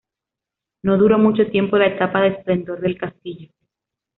No duró mucho tiempo la etapa de esplendor del castillo.